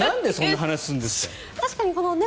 なんで今そんな話をするんですか。